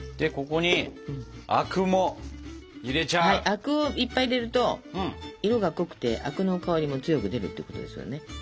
灰汁をいっぱい入れると色が濃くて灰汁の香りも強く出るってことですよね。